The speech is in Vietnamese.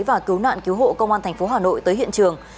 và cứu nạn cứu hộ công an tp hà nội tới hiện trường